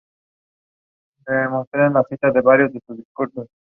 Pronto comenzó a ser invitada a aparecer en los principales teatros de Italia.